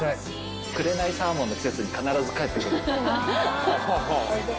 紅サーモンの季節に必ず帰って来る。